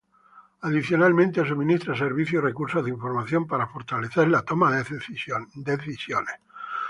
Adicionalmente suministra servicios y recursos de información para fortalecer la toma de decisiones.